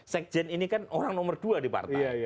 sekjen ini kan orang nomor dua di partai